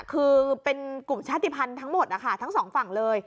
คือเป็นกลุ่มชาติภัณฑ์ทั้งหมดนะคะทั้งสองฝั่งเลย